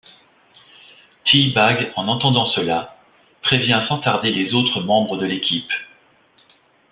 T-Bag en entendant cela, prévient sans tarder les autres membres de l'équipe.